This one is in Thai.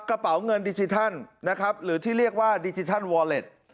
กระเป๋าเงินดิจิทัลนะครับหรือที่เรียกว่าดิจิทัลวอเล็ต